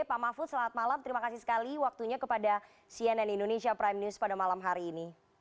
pak mahfud selamat malam terima kasih sekali waktunya kepada cnn indonesia prime news pada malam hari ini